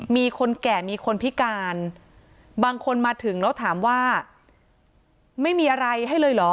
มีคนแก่มีคนพิการบางคนมาถึงแล้วถามว่าไม่มีอะไรให้เลยเหรอ